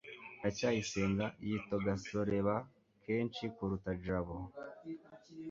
ndacyayisenga yitogasoreba kenshi kuruta jabo